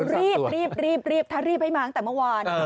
รีบทารีปให้มาให้มาตั้งแต่เมื่อวาน